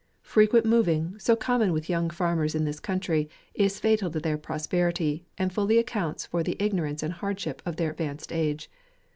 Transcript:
Frequent mov ing, so common with young farmers in this country, is fatal to their prosperity, and fully accounts for the ignorance and hardship of their advanced age.